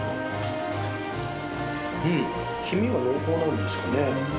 うん、黄身が濃厚なんですかね。